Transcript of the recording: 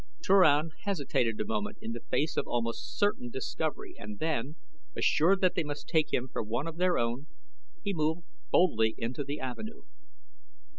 Turan hesitated a moment in the face of almost certain discovery and then, assured that they must take him for one of their own people, he moved boldly into the avenue.